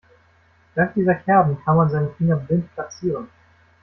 Dank dieser Kerben kann man seine Finger blind platzieren.